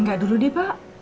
enggak dulu deh pak